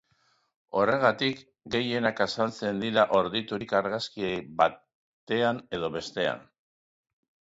Horregatik, gehienak azaltzen dira horditurik argazkiren batean edo bestean.